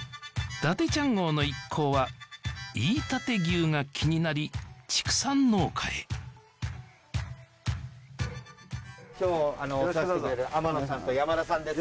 伊達ちゃん号の一行は飯舘牛が気になり畜産農家へ今日あのお世話してくれる天野さんと山田さんです